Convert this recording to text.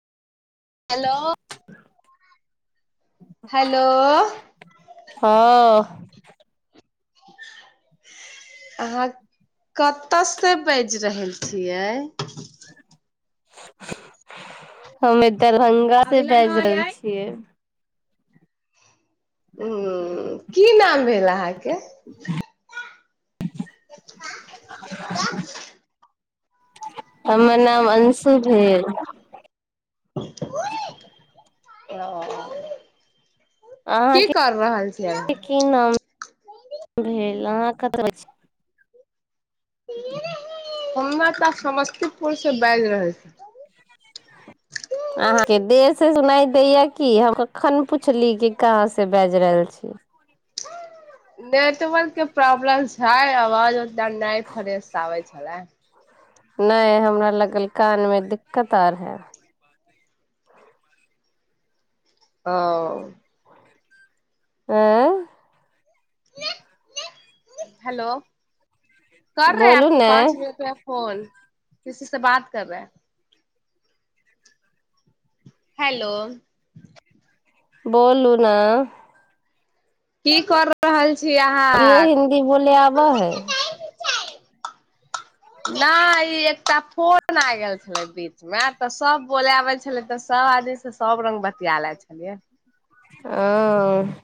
hello hello हँ अहाँ कतयसँ बाजि रहल छियै हमे दरभंगा से बाजि रहल छियै ह की नाम भेल अहाँके हमर नाम अंशु भेल त ब ओ की कर रहल छियै अहाँके अहाँ की नाम भेल अहाँ कतऽ हमरा तऽ आ समस्तीपुर से बाजि रहल छी अहाँके देश सुनाई दैया क हम कखन पुछली कि कहाँ से बाजि रहल छी नेटवर्क के प्रॉब्लम छै अवाज दडा फरेश आै छै हला नहि हमरा लगल कानमे दिक्कत आर है ओ आँ हेलो कर रहे है बोलू आपको ने पाँच बजे रुपआ फोन किसी से बात कर रहेै हेलो बोलूना की कर रहल छी जो अहाँ हिन्दी बोले आबै हइ नहि ई एकटा फोन आ गेल छलै बीच मे तऽ सब बोलाबै छलै तऽ सब आदमी से सब रंग बतििया ले छलियै ओ